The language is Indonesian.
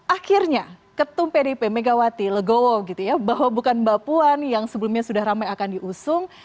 akhirnya ketum pdip megawati legowo gitu ya bahwa bukan mbak puan yang sebelumnya sudah ramai akan diusung